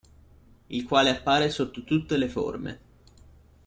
Il quale appare sotto tutte le forme.